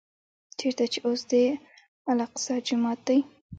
چېرته چې اوس د الاقصی جومات دی.